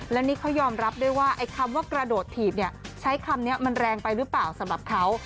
และนี่เขายอมรับด้วยว่าไอ้คำว่ากระโดดถีบเนี่ยใช้คำนี้มันแรงไปหรือเปล่าสำหรับเขา